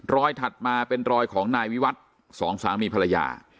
ถัดมาเป็นรอยของนายวิวัตรสองสามีภรรยา